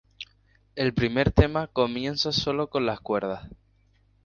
El primer tema comienza solo con las cuerdas.